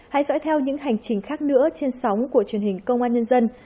hãy dõi theo những hành trình khác nữa trên sóng của truyền hình công an nhân dân